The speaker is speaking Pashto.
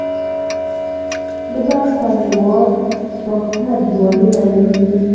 د بلخ سبزې وار د باختر دیوالونه لري